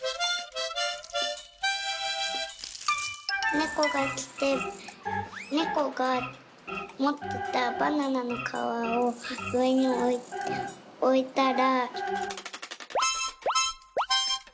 「ネコがきてネコがもってたバナナのかわをうえにおいたら」。